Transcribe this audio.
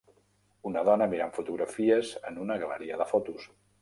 Una dona mirant fotografies en una galeria de fotos.